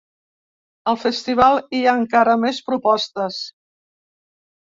Al festival hi ha encara més propostes.